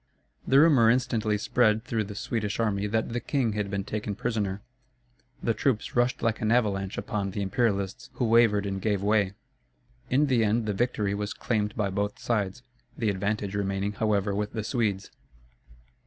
The rumor instantly spread through the Swedish army that the king had been taken prisoner. The troops rushed like an avalanche upon the Imperialists, who wavered and gave way. In the end the victory was claimed by both sides, the advantage remaining however with the Swedes.